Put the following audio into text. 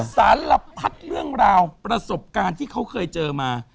สารพัดเรื่องราวประสบการณ์ที่เขาเคยเจอมา